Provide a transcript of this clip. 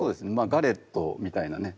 ガレットみたいなね